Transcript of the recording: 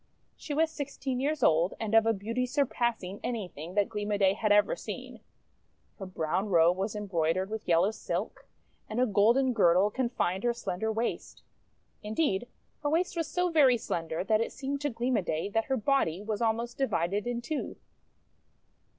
She was sixteen years old, and of a beauty sur passing anything that Gleam o' Day had ever seen. Her brown robe was embroidered with yellow silk, and a golden girdle confined her slender waist. Indeed her waist was so very slender that it seemed to Gleam o' Day that her body was almost divided in two.